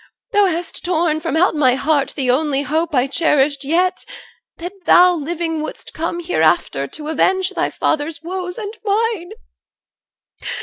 Thou hast torn from out my heart The only hope I cherished yet, that thou Living wouldst come hereafter to avenge Thy father's woes and mine.